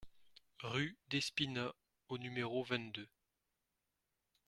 Rue Despinas au numéro vingt-deux